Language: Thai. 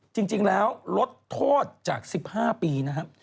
จริงแล้วลดโทษจาก๑๕ปีนะครับ